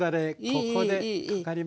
ここでかかります。